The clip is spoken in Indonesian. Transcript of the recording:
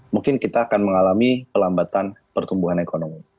mungkin kita akan mengalami pelambatan pertumbuhan ekonomi